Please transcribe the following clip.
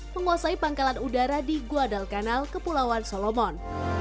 menguasai pangkalan udara di guadalcanal kepulauan solomon